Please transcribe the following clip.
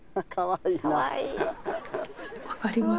分かります？